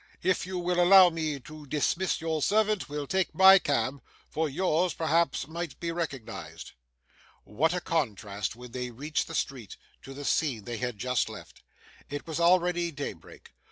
If you will allow me to dismiss your servant, we'll take my cab; for yours, perhaps, might be recognised.' What a contrast, when they reached the street, to the scene they had just left! It was already daybreak.